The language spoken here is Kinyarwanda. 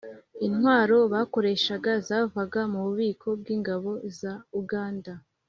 intwaro bakoreshaga zavaga mu bubiko bw'ingabo za uganda.